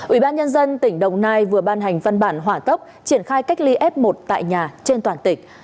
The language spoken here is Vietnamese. ủy ban nhân dân tỉnh đồng nai vừa ban hành văn bản hỏa tốc triển khai cách ly f một tại nhà trên toàn tỉnh